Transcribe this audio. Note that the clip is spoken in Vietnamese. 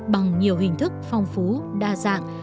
bằng nhiều hình thức phong phú đa dạng